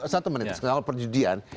satu menit soal perjudian